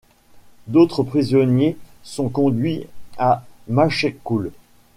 D'autres prisonniers sont conduits à Machecoul.